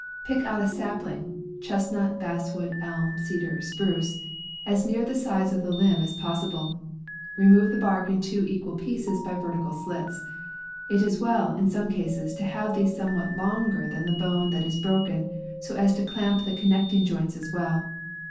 Pick out a sapling (chestnut, bass wood, elm, cedar, spruce) as near the size of the limb as possible. Remove the bark in two equal pieces by vertical slits. It is well, in some cases, to have these somewhat longer than the bone that is broken, so as to clamp the connecting joints as well.